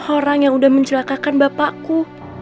orang yang udah mencelakakan bapakku